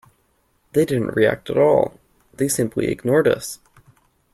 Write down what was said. They didn't react at all; they simply ignored us.